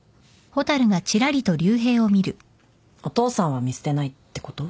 お父さんは見捨てないってこと？